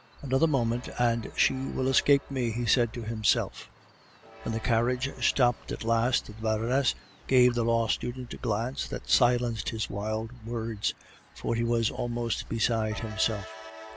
"Another moment and she will escape me," he said to himself. When the carriage stopped at last, the Baroness gave the law student a glance that silenced his wild words, for he was almost beside himself.